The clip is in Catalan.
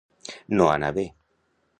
No anar bé.